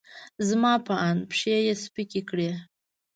زما په اند، پښې یې سپکې کړې.